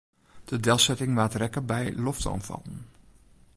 De delsetting waard rekke by loftoanfallen.